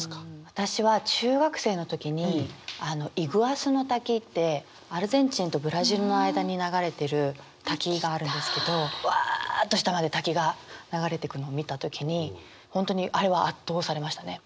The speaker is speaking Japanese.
私は中学生の時にイグアスの滝ってアルゼンチンとブラジルの間に流れてる滝があるんですけどわあっと下まで滝が流れてくのを見た時に本当にあれは圧倒されましたね。